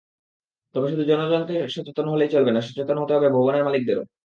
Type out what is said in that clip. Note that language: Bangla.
তবে শুধু জনগণকে সচেতন হলেই চলবে না, সচেতন হতে হবে ভবনের মালিকদেরও।